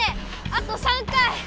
あと３回！